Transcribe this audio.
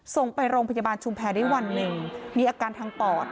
ส่งโรงพยาบาลชุมแพรได้วันหนึ่งมีอาการทางปอด